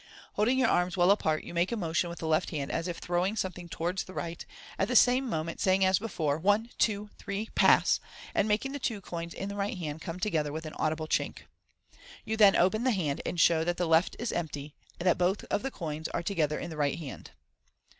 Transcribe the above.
Holding your arms well apart, you make a motion with the left hand as if throwing something towards the right, at the same moment saying as before, " One, two, three ! Pass!'* and making the two coins in the right hand come together with an audible chink. You then open the hand, and show that tb# 174 MODERN MAGIC left is empty, and that both of the coins are together in the right hand.